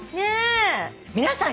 皆さん